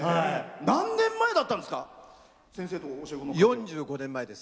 何年前だったんですか？